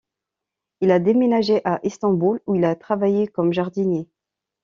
Il a déménagé à Istanbul où il a travaillé comme jardinier.